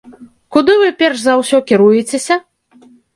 Куды вы перш за ўсё кіруецеся?